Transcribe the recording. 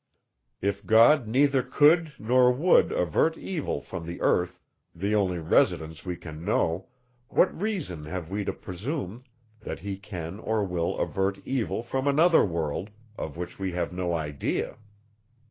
If God neither could nor would avert evil from the earth, the only residence we can know, what reason have we to presume, that he can or will avert evil from another world, of which we have no idea?